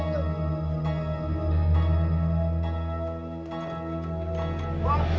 aku akan menembak perangkok itu